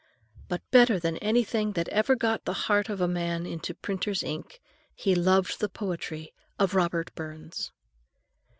But better than anything that ever got from the heart of a man into printer's ink, he loved the poetry of Robert Burns.